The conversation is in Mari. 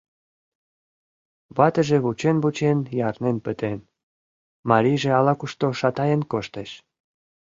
— Ватыже вучен-вучен ярнен пытен, марийже ала-кушто шатаен коштеш.